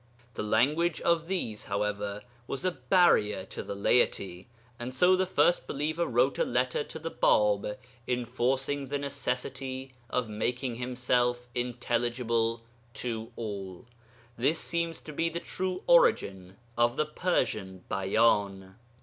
The language of these, however, was a barrier to the laity, and so the 'first believer' wrote a letter to the Bāb, enforcing the necessity of making himself intelligible to all. This seems to be the true origin of the Persian Bayan.